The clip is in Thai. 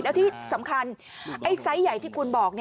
แล้วที่สำคัญไอ้ไซส์ใหญ่ที่คุณบอก